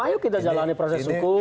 ayo kita jalani proses hukum